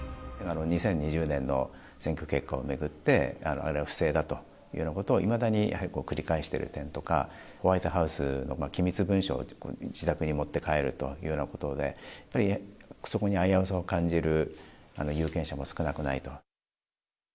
２０２０年の選挙結果を巡って、あれは不正だというようなことを、いまだに繰り返してる点とか、ホワイトハウスの機密文書を自宅に持って帰るというようなことで、やっぱりそこに危うさを感じる有権者も少なくないと。